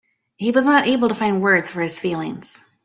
He was not able to find words for his feelings.